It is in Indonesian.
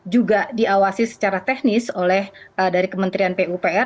juga diawasi secara teknis oleh dari kementerian pupr